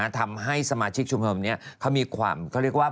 ทำให้สมาชิกชุมชนนี้เขามีความเขาเรียกว่า